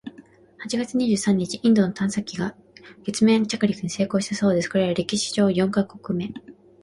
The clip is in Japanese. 八月二十三日、インドの探査機が月面着陸に成功したそうです！（これは歴史上四カ国目！）